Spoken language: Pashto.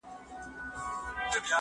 په خوشال به هر زلمى وو